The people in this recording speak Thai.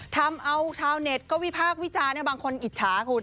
ทำเอาชาวเน็ตก็วิพากษ์วิจารณ์บางคนอิจฉาคุณ